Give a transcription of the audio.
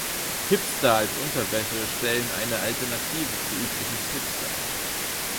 Hipster als Unterwäsche stellen eine Alternative zu üblichen Slips dar.